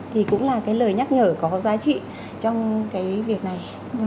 thì cũng là cái lời nhắc nhở có giá trị trong cái việc này